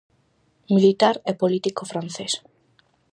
Militar e político francés.